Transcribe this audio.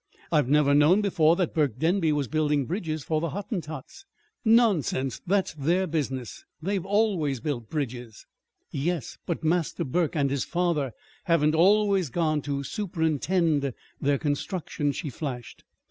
"I've never known before that Burke Denby was building bridges for the Hottentots." "Nonsense! That's their business. They've always built bridges." "Yes, but Master Burke and his father haven't always gone to superintend their construction," she flashed.